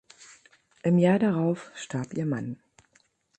Im Jahr darauf starb ihr Mann.